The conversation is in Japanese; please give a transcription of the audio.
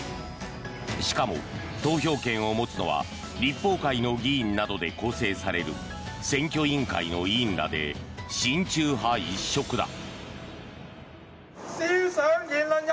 しかも投票権を持つのは立法会の議員などで構成される選挙委員会の委員らで親中派一色だ。